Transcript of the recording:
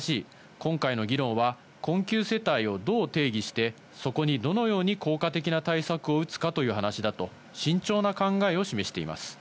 今回の議論は困窮世帯をどう定義して、そこにどのように効果的な対策を打つかという話だと、慎重な考えを示しています。